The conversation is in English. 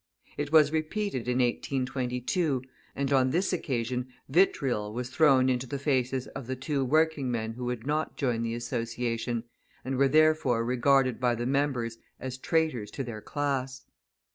It was repeated in 1822, and on this occasion vitriol was thrown into the faces of the two working men who would not join the association, and were therefore regarded by the members as traitors to their class.